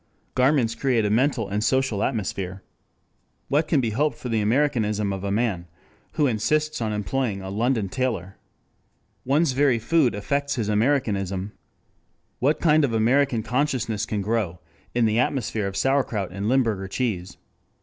Garments create a mental and social atmosphere. What can be hoped for the Americanism of a man who insists on employing a London tailor? One's very food affects his Americanism. What kind of American consciousness can grow in the atmosphere of sauerkraut and Limburger cheese?